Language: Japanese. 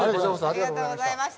ありがとうございます。